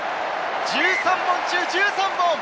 １３本中１３本！